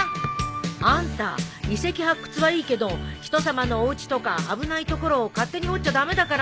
あんた遺跡発掘はいいけど人様のおうちとか危ない所を勝手に掘っちゃ駄目だからね。